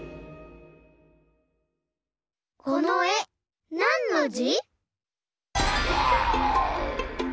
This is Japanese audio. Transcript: このえなんのじ？